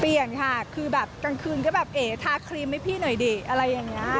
เปลี่ยนค่ะคือแบบกลางคืนก็แบบเอ๋ทาครีมให้พี่หน่อยดิอะไรอย่างนี้